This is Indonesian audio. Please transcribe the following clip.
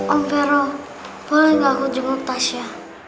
om pero boleh gak aku jemput tasya